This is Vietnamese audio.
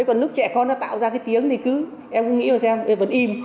còn lúc trẻ con nó tạo ra cái tiếng thì cứ em cũng nghĩ mà xem vẫn im